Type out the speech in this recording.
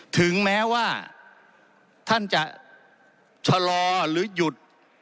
ถึงแม้ว่าท่านจะชะลอหรือหยุด